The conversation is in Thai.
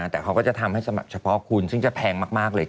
แต่เขาก็จะทำให้สำหรับเฉพาะคุณซึ่งจะแพงมากเลย